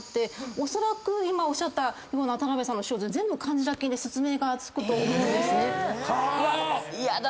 おそらく今おっしゃった田辺さんの症状全部カンジダ菌で説明がつくと思うんですね。